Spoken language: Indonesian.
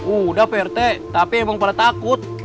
udah pak rt tapi emang paling takut